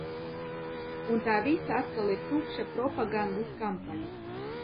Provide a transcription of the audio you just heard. Un tā visa atkal ir tukša propagandas kampaņa.